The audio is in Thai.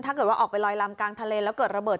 ถ้าเกิดว่าออกไปลอยลำกลางทะเลแล้วเกิดระเบิด